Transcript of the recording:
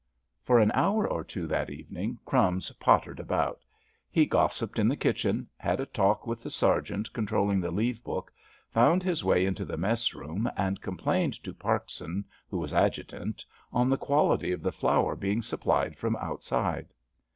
For an hour or two that evening "Crumbs" pottered about. He gossiped in the kitchen, had a talk with the sergeant controlling the leave book, found his way into the mess room, and complained to Parkson, who was adjutant, on the quality of the flour being supplied from outside.